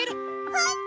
ほんと？